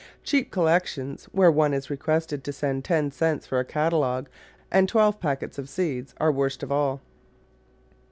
Cheap collections, where one is requested to send ten cents for a catalogue and twelve packages of seeds, are worst of all.